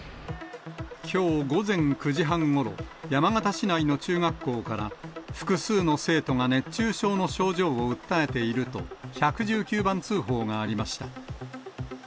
きょう午前９時半ごろ、山形市内の中学校から、複数の生徒が熱中症の症状を訴えていると、１１９番通報がありました。